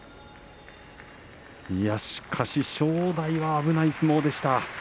しかし正代は危ない相撲でした。